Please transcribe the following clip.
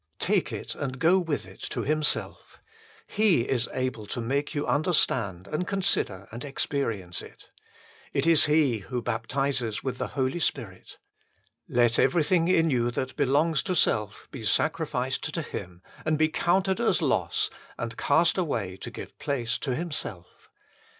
Take it and go with it to Himself. He is able to make you understand, and consider, and experience it. It is He who baptizes with the Holy Spirit. Let everything in you that belongs to self be sacrificed to Him, and be counted as loss, and cast away to give place to Himself.